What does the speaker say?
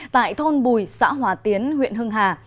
tại thôn bùi xã hòa tiến huyện hưng hà